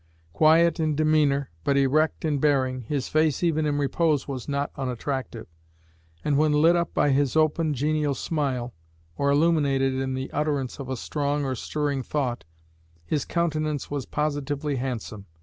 Quiet in demeanor but erect in bearing, his face even in repose was not unattractive; and when lit up by his open, genial smile, or illuminated in the utterance of a strong or stirring thought, his countenance was positively handsome.